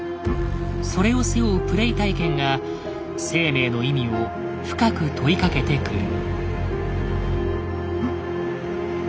それを背負うプレイ体験が生命の意味を深く問いかけてくる。